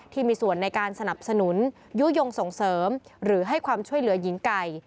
ที่มีส่วนในการสนับสนุนยุโยงส่งเสริมหรือให้ความช่วยเหลือหญิงไก่